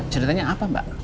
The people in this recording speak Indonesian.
ceritanya apa mbak